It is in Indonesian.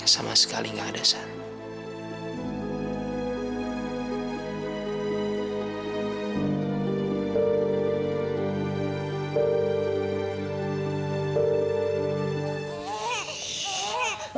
sama sekali gak ada sat